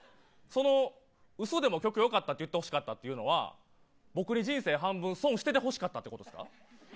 うそでも曲よかったですと言ってほしかったというのは僕に人生半分損しててほしかったということですか。